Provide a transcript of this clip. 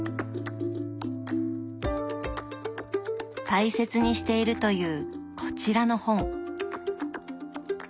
大切にしているというこちらの本。